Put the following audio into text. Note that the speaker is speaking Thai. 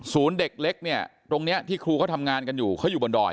เด็กเล็กเนี่ยตรงนี้ที่ครูเขาทำงานกันอยู่เขาอยู่บนดอย